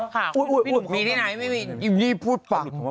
ผู้บ้านที่มีสามีแล้ว